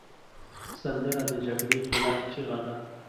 سندره د جګړې خلاف چیغه ده